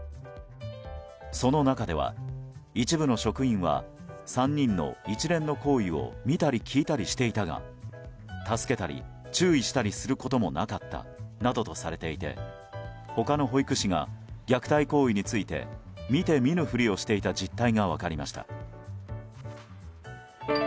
その中では一部の職員は３人の一連の行為を見たり聞いたりしていたが助けたり注意したりすることもなかったなどとされていて他の保育士が虐待行為について見て見ぬふりをしていた実態が分かりました。